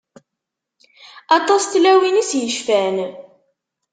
Aṭas n tlawin i s-yecfan.